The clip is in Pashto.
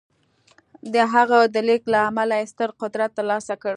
د هغه د لېږد له امله یې ستر قدرت ترلاسه کړ